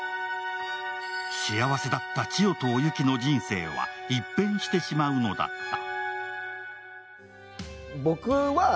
幸せだった千代とお雪の人生は一変してしまうのだった。